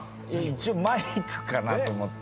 一応マイクかなと思って。